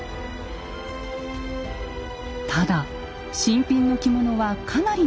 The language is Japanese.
ただ新品の着物はかなりの高級品。